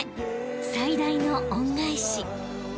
最大の恩返し］